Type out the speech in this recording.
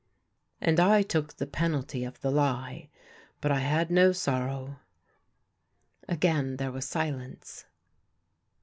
" And I took the penalty of the lie, but I had no sorrow." Again there was silence.